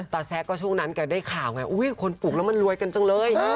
แซะก็ช่วงนั้นแกได้ข่าวไงคนปลูกแล้วมันรวยกันจังเลย